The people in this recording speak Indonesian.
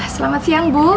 selamat siang bu